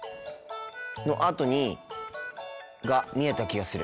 のあとにが見えた気がする。